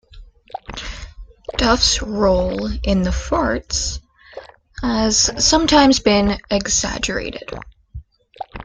Duff's role in the Fartz has sometimes been exaggerated.